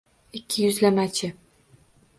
Ikkiyuzlamachi!